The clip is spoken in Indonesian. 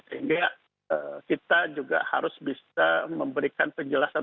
sehingga kita juga harus bisa memberikan penjelasan